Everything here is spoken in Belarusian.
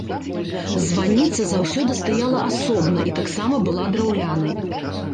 Званіца заўсёды стаяла асобна і таксама была драўлянай.